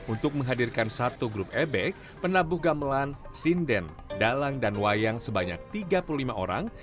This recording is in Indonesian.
untuk menghadirkan satu grup ebek penabuh gamelan sinden dalang dan wayang sebanyak tiga puluh lima orang